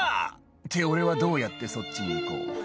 「って俺はどうやってそっちに行こう？」